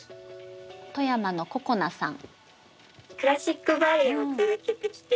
富山のここなさん。